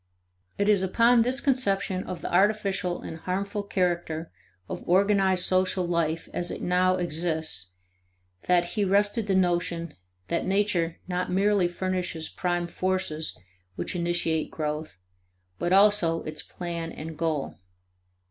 It is upon this conception of the artificial and harmful character of organized social life as it now exists 2 that he rested the notion that nature not merely furnishes prime forces which initiate growth but also its plan and goal.